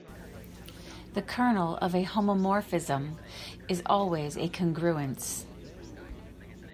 The kernel of a homomorphism is always a congruence.